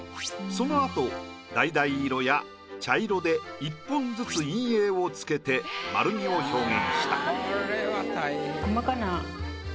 そのあとだいだい色や茶色で１本ずつ陰影をつけて丸みを表現した。